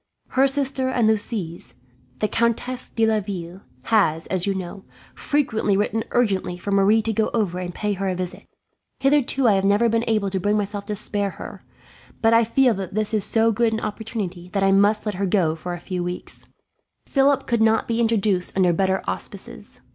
Her sister and Lucie's, the Countess de Laville, has, as you know, frequently written urgently for Marie to go over and pay her a visit. Hitherto I have never been able to bring myself to spare her, but I feel that this is so good an opportunity that I must let her go for a few weeks. "Philip could not be introduced under better auspices.